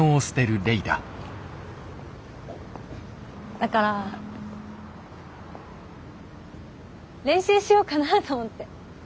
だから練習しようかなと思って。